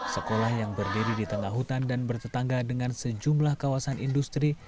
sekolah yang berdiri di tengah hutan dan bertetangga dengan sejumlah kawasan industri